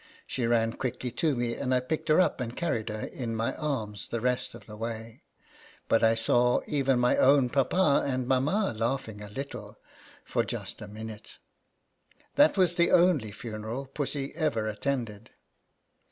She ran quickly to me, and I picked her up and carried her in my arms the rest of the way. But I saw even my own papa and mamma laughing a little, for just a 1 6 INTRODUCTION. minute. That was the only funeral Pussy ever attended.